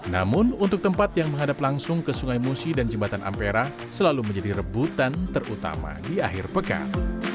namun untuk tempat yang menghadap langsung ke sungai musi dan jembatan ampera selalu menjadi rebutan terutama di akhir pekan